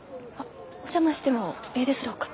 お邪魔してもえいですろうか？